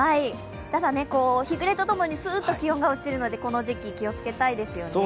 ただ日暮れと共にすっと気温が落ちるのでこの時期気をつけたいですよね。